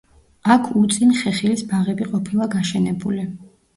აქ უწინ ხეხილის ბაღები ყოფილა გაშენებული.